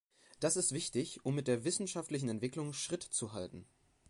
Das ist wichtig, um mit der wissenschaftlichen Entwicklung Schritt zu halten.